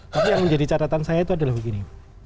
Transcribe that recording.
tapi yang menjadi catatan saya itu adalah begini